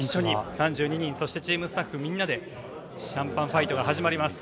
３２人、そしてスタッフみんなでシャンパンファイトが始まります。